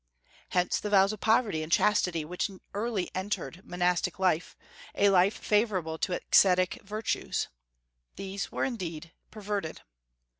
Hence the vows of poverty and chastity which early entered monastic life, a life favorable to ascetic virtues. These were indeed perverted.